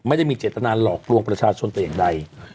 ไม่ได้มีเจตนาหลอกลวงประชาชนแต่อย่างใด